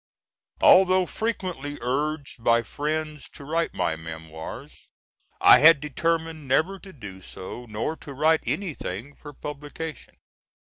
Although frequently urged by friends to write my memoirs I had determined never to do so, nor to write anything for publication.